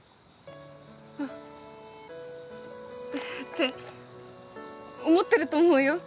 あって思ってると思うよ